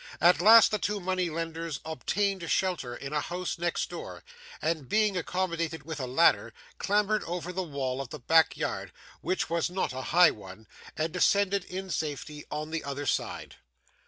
At length, the two money lenders obtained shelter in a house next door, and, being accommodated with a ladder, clambered over the wall of the back yard which was not a high one and descended in safety on the other side.